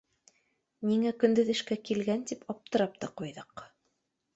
Ниңә көндөҙ эшкә килгән, тип аптырап та ҡуйҙыҡ.